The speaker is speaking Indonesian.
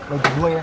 lagi dua ya